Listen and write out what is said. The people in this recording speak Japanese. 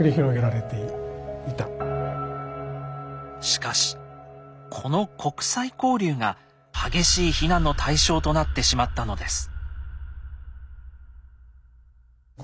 しかしこの国際交流が激しい非難の対象となってしまったのです。